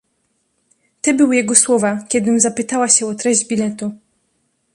"te były jego słowa, kiedym zapytała się o treść biletu."